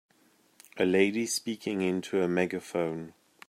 A lady speaking in to a megaphone.